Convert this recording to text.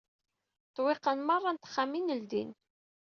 Ṭṭwiqan meṛṛa n texxamin ldin